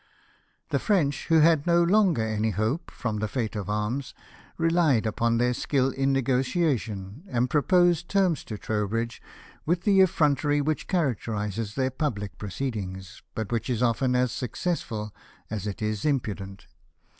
The French, who had no longer any hope from the fate of arms, relied upon their 200 LIFE OF NELSON. skill in negotiation, and proposed terms to Trowbridge with that effrontery which characterises their public proceedings, but which is often as successful as it is impudent.